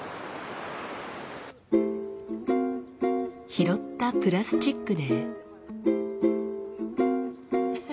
拾ったプラスチックで。